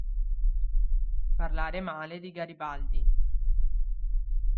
Parlare male di Garibaldi.